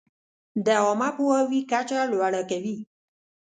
د عامه پوهاوي کچه لوړه کوي.